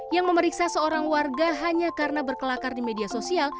yang memeriksa seorang warga hanya karena berkelakar di media sosial